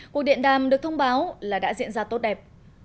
cuộc điện đàm được thông báo là đã diễn ra tốt đẹp